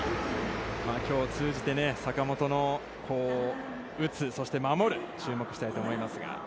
きょう通じて坂本の打つ、そして守る、注目したいと思いますが。